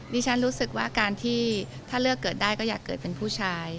รู้สึกว่าการที่ถ้าเลือกเกิดได้ก็อยากเกิดเป็นผู้ชาย